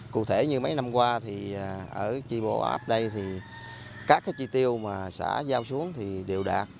cụ thể như mấy năm qua thì ở chi bộ ấp đây thì các cái chi tiêu mà xã giao xuống thì đều đạt